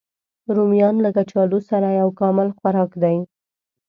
رومیان له کچالو سره یو کامل خوراک دی